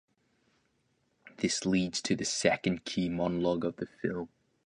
This leads to the second key monologue of the film.